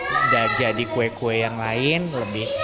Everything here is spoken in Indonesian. udah jadi kue kue yang lain lebih